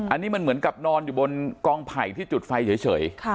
อันนี้มันเหมือนกับนอนอยู่บนกองไผ่ที่จุดไฟเฉย